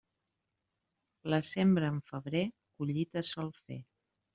La sembra en febrer, collita sol fer.